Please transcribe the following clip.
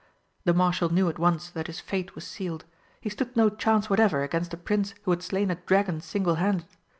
The Marshal knew at once that his fate was sealed. He stood no chance whatever against a Prince who had slain a dragon singlehanded.